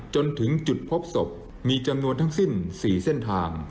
จนถึงจุดพบศพมีจำนวนทั้งสิ้น๔เส้นทาง